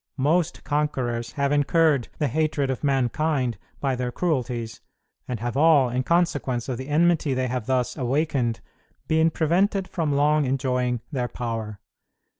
Most conquerors have incurred the hatred of mankind by their cruelties, and have all, in consequence of the enmity they have thus awakened, been prevented from long enjoying their power.